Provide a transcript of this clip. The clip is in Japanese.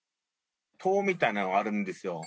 塔みたいなのがあるんですよ。